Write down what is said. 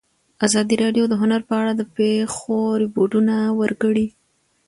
ازادي راډیو د هنر په اړه د پېښو رپوټونه ورکړي.